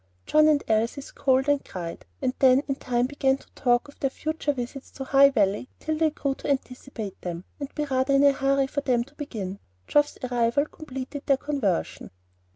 John and Elsie scolded and cried, and then in time began to talk of their future visits to High Valley till they grew to anticipate them, and be rather in a hurry for them to begin. Geoff's arrival completed their conversion.